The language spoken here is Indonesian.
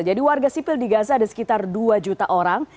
jadi warga sipil di gaza ada sekitar dua juta orang